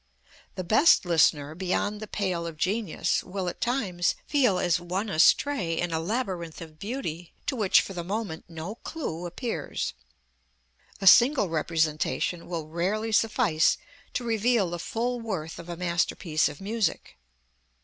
The best listener beyond the pale of genius will at times feel as one astray in a labyrinth of beauty to which for the moment no clue appears. A single representation will rarely suffice to reveal the full worth of a masterpiece of music.